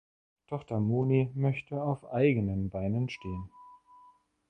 Tochter Moni möchte auf eigenen Beinen stehen.